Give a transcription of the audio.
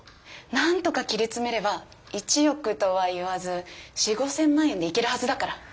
なんとか切り詰めれば１億とは言わず４，０００５，０００万円でいけるはずだから。